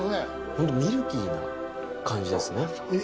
ホントミルキーな感じですね